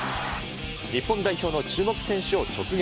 日本代表の注目選手を直撃。